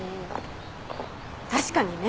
確かにね。